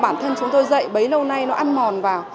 bản thân chúng tôi dậy bấy lâu nay nó ăn mòn vào